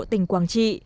tỉnh quảng trị